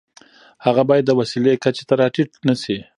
هغه باید د وسیلې کچې ته را ټیټ نشي.